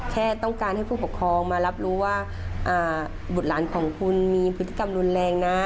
แค่ต้องการให้ผู้ปกครองมารับรู้ว่าบุตรหลานของคุณมีพฤติกรรมรุนแรงนะ